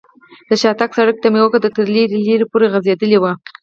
د شاتګ سړک ته مې وکتل، تر لرې لرې پورې غځېدلی و.